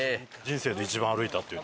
「人生で一番歩いた」って。